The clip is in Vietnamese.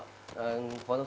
phó giáo sư đảng